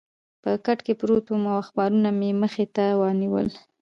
په کټ کې پروت وم او اخبارونه مې مخې ته ونیول.